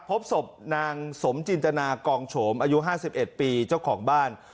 พบศพนางสมจินตนากองโฉมอายุ๕๑ปีเจ้าของบ้าน